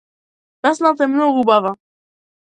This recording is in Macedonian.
Песната е многу убава.